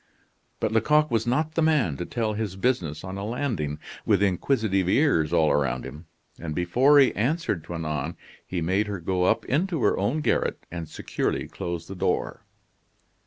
But Lecoq was not the man to tell his business on a landing, with inquisitive ears all around him, and before he answered Toinon he made her go up into her own garret, and securely close the door.